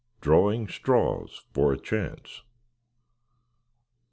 DRAWING STRAWS FOR A CHANCE.